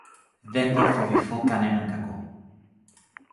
Δεν θα φοβηθώ κανένα κακό.